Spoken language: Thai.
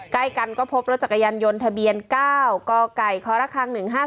ใกล้กันก็พบรถจักรยานยนต์ทะเบียน๙กไก่ครค๑๕๗